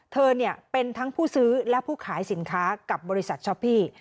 เธอเป็นทั้งผู้ซื้อและผู้ขายสินค้ากับบริษัทช็อปพี่